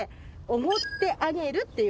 「おごってあげる」？